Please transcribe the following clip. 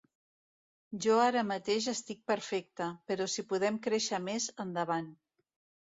Jo ara mateix estic perfecte, però si podem créixer més, endavant.